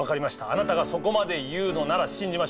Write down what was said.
あなたがそこまで言うのなら信じましょう。